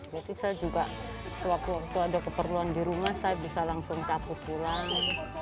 jadi saya juga sewaktu waktu ada keperluan di rumah saya bisa langsung kapur pulang